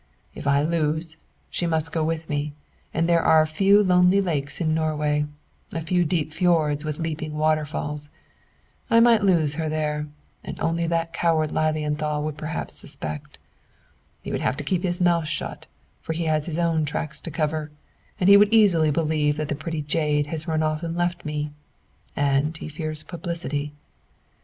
"If I lose, she must go with me; and there are a few lonely lakes in Norway, a few deep fiords with leaping waterfalls. I might lose her there, and only that coward Lilienthal would perhaps suspect. He would have to keep his mouth shut, for he has his own tracks to cover, and he would easily believe that the pretty jade has run off and left me. And he fears publicity.